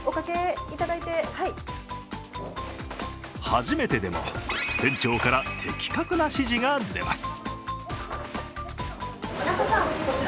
初めてでも店長から的確な指示が出ます。